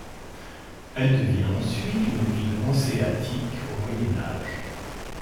Elle devient ensuite une ville hanséatique au Moyen Âge.